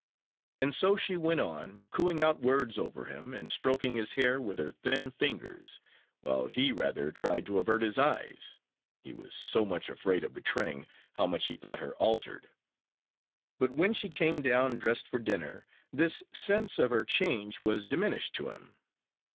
And so she went on, cooing out words over him, and stroking his hair with her thin fingers; while he rather tried to avert his eyes, he was so much afraid of betraying how much he thought her altered. But when she came down, dressed for dinner, this sense of her change was diminished to him.